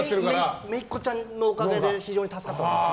めいっこちゃんのおかげで非常に助かってます。